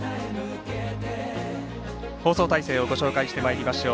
放送体制をご紹介してまいりましょう。